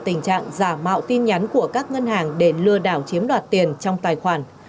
tình trạng giả mạo tin nhắn của các ngân hàng để lừa đảo chiếm đoạt tiền trong tài khoản